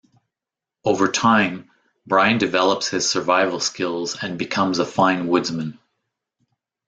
Over time, Brian develops his survival skills and becomes a fine woodsman.